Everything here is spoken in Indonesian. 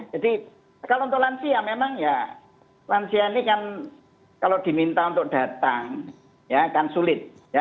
jadi kalau untuk lansia memang ya lansia ini kan kalau diminta untuk datang ya kan sulit ya